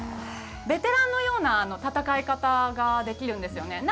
ベテランのような戦い方ができるんですよね。